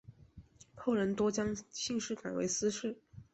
后人多将姓氏改为司姓。